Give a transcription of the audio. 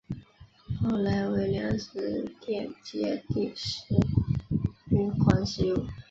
后来为粮食店街第十旅馆使用。